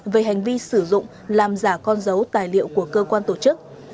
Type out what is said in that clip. về hành vi sử dụng làm giả con dấu tài liệu của cơ quan tổ chức